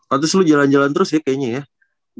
oh terus lu jalan jalan terus ya kayaknya ya